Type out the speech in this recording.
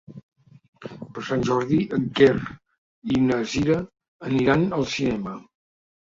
Per Sant Jordi en Quer i na Cira aniran al cinema.